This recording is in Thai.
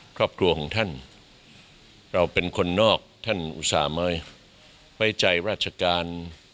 ครอบครัวของท่านเราเป็นคนนอกท่านอุตส่าห์มาไว้ใจราชการ